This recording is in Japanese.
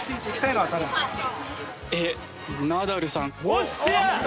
おっしゃ！